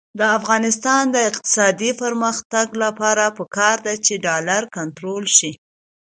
د افغانستان د اقتصادي پرمختګ لپاره پکار ده چې ډالر کنټرول شي.